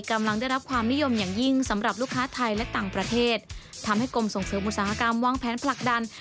กำลังได้รับความนิยมอย่างยิ่งสำหรับลูกค้าไทยและต่างประเทศทำให้กรมส่งเสริมอุตสาหกรรมวางแผนผลักดัน